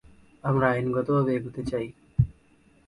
আমরা আইনগতভাবে এগোতে চাই।